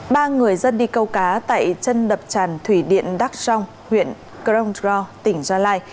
ba người dân đi câu cá tại chân đập tràn thủy điện đắk trong huyện kronkro tỉnh gia lai